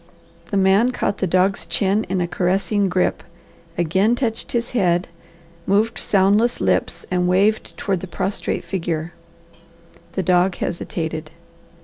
The man caught the dog's chin in a caressing grip, again touched his head, moved soundless lips, and waved toward the prostrate figure. The dog hesitated.